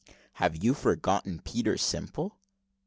"Have you forgotten Peter Simple?"